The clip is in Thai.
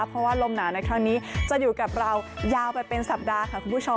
เพราะว่าลมหนาวในครั้งนี้จะอยู่กับเรายาวไปเป็นสัปดาห์ค่ะคุณผู้ชม